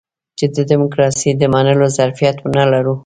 چې د ډيموکراسۍ د منلو ظرفيت ونه لرو.